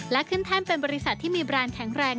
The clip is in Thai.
และขึ้นแท่นเป็นบริษัทที่มีแบรนด์แข็งแรง